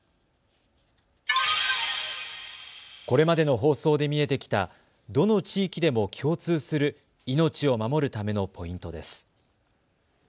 これまでの放送で見えてきたどの地域でも共通する命を守るためのポイントです。